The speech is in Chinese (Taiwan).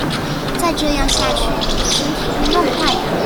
再這樣下去妳身體會弄壞的